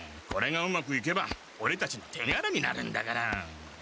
これがうまくいけばオレたちのてがらになるんだから。